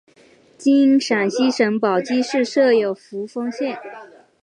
今陕西省宝鸡市设有扶风县。